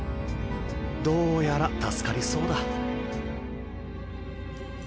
どうやら助かりそうだ。